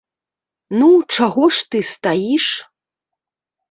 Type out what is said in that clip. Ну чаго ж ты стаіш?